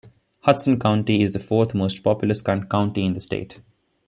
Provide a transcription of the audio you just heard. Hudson County is the fourth-most populous county in the state.